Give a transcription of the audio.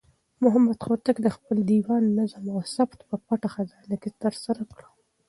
محمد هوتک د خپل دېوان نظم او ثبت په پټه خزانه کې ترسره کړ.